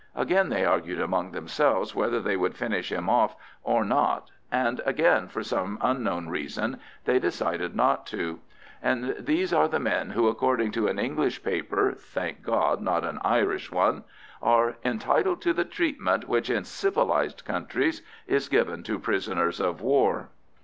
Again they argued among themselves whether they would finish him off or not, and again for some unknown reason they decided not to. And these are the men who, according to an English paper (thank God! not an Irish one), are "entitled to the treatment which, in civilised countries, is given to prisoners of war."